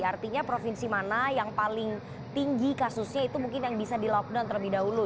artinya provinsi mana yang paling tinggi kasusnya itu mungkin yang bisa di lockdown terlebih dahulu